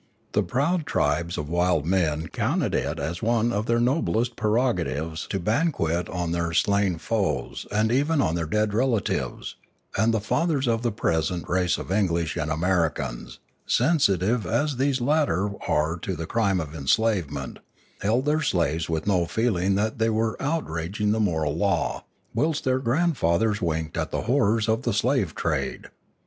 The proud tribes of wild men counted it as one of their noblest prerogatives to banquet on their slain foes and even on their dead relatives, and the fathers of the present race of English and Americans, sensitive as these latter are to the crime of enslavement, held their slaves with no feeling that they were outraging the moral law, whilst their grandfathers winked at the horrors of the slave trade.